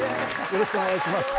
よろしくお願いします。